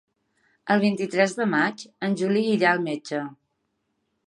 El vint-i-tres de maig en Juli anirà al metge.